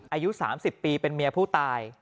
อายุ๓๐ปีเป็นเมียผู้ตาย